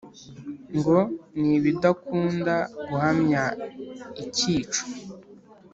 ngo nibidakunda guhamya ikico